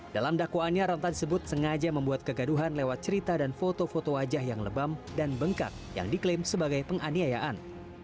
dalam dakwaannya ranta disebut sengaja membuat kegaduhan lewat cerita dan foto foto wajah yang lebam dan bengkak yang diklaim sebagai penganiayaan